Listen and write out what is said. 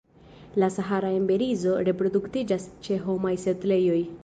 La Sahara emberizo reproduktiĝas ĉe homaj setlejoj.